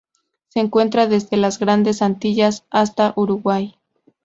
Se encuentra desde las Grandes Antillas hasta Uruguay.